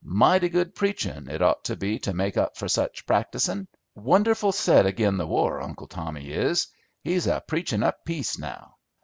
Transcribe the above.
Mighty good preachin' it ought to be to make up for such practicin'. Wonderful set ag'in the war, Uncle Tommy is. He's a preachin' up peace now.